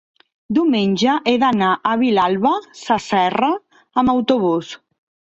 diumenge he d'anar a Vilalba Sasserra amb autobús.